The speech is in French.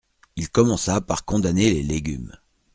Il commença par condamner les légumes.